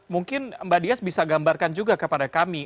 mungkin mbak dias bisa gambarkan juga kepada kami